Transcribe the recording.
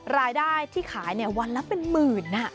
รายได้ที่ขายวันละเป็นหมื่น